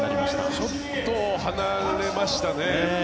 ちょっと離れましたね。